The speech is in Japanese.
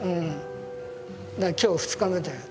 「今日２日目だよ」